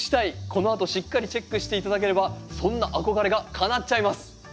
このあとしっかりチェックして頂ければそんな憧れがかなっちゃいます。